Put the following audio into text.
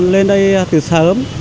lên đây từ sớm